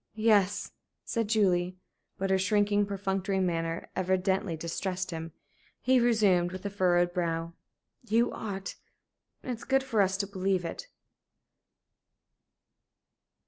"Yes," said Julie. But her shrinking, perfunctory manner evidently distressed him. He resumed, with a furrowed brow: "You ought. It is good for us to believe it."